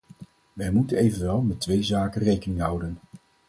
Wij moeten evenwel met twee zaken rekening houden.